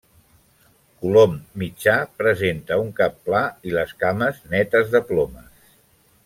Colom mitjà, presenta un cap pla i les cames netes de plomes.